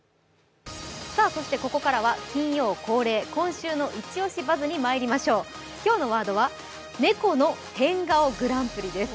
ここからは金曜恒例、今週の「イチオシバズ！」にまいりましょう今日のワードは猫の変顔グランプリです。